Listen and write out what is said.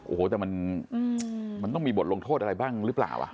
โอ้โหแต่มันต้องมีบทลงโทษอะไรบ้างหรือเปล่า